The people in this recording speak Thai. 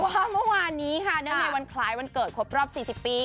แต่ว่าเมื่อวานนี้ค่ะในวันคล้ายวันเกิดครบรอบ๔๐ปี